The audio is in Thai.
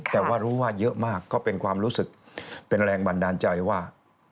แต่ว่ารู้ว่าเยอะมากก็เป็นความรู้สึกเป็นแรงบันดาลใจว่า